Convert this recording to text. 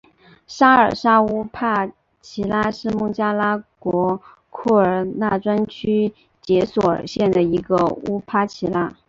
沙尔沙乌帕齐拉是孟加拉国库尔纳专区杰索尔县的一个乌帕齐拉。